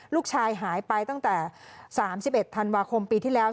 ลูกชายหายไปตั้งแต่๓๑ธันวาคมปีที่แล้ว